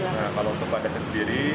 nah kalau untuk panggilan saya sendiri